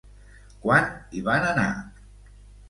Quan hi van anar?